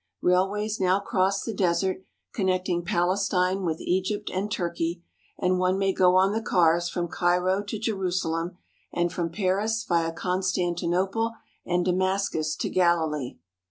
Railways now cross the desert, con necting Palestine with Egypt and Turkey, and one may go on the cars from Cairo to Jerusalem and from Paris, via Constantinople and Damascus, to Galilee.